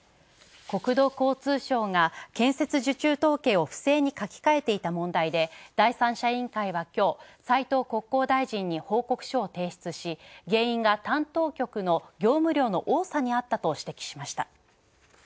国土交通省が建設受注統計を不正に書き換えていた問題で第三者委員会はきょう、斉藤国交大臣に報告書を提出し、原因が担当局の業務量の多さにあったと指摘しました。